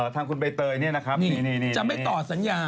ทางคุณใบเตยนี่นะครับนี่จะไม่ต่อสัญญา